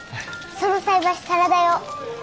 その菜箸サラダ用。